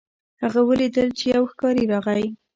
هغه ولیدل چې یو ښکاري راغی.